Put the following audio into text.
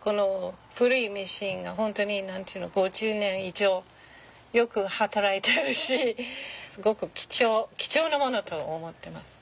この古いミシンが本当に５０年以上よく働いてるしすごく貴重なものと思ってます。